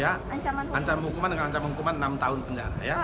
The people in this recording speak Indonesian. ancaman hukuman dengan ancaman hukuman enam tahun penjara